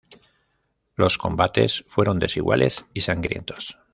Los combates fueron desiguales y sangrientos.